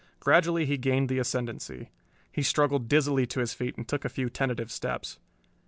Gradually he gained the ascendancy. He struggled dizzily to his feet and took a few tentative steps.